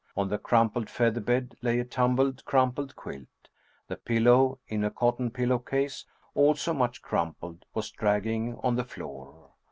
On the crumpled feather bed lay a tumbled, crumpled quilt. The pillow, in a cotton pillow case, also much crumpled, was dragging on the floor.